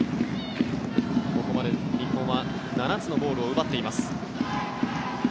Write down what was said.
ここまで日本は７つのゴールを奪っています。